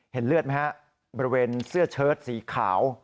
เห็นเลือดไหมครับบริเวณเสื้อเชิดสีขาว